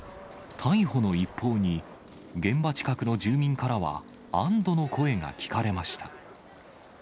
逮捕の一報に、現場近くの住民からは、安どの声が聞かれました。